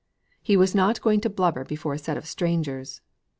He was not going to blubber before a set of strangers.